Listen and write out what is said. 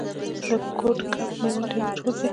د کوډ کب نیول ډیر مشهور و.